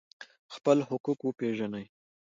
خپل حقوق وپیژنئ